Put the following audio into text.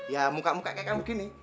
ya muka muka kayak kan begini